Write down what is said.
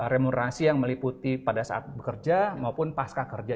remunerasi yang meliputi pada saat bekerja maupun pasca kerja